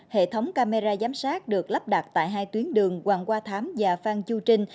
hệ thống camera giám sát được lắp đặt tại hai tuyến đường hoàng qua thám và phan chu trinh